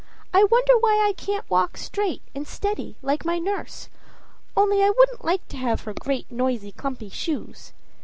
I wonder why I can't walk straight and steady like my nurse only I wouldn't like to have her great, noisy, clumping shoes.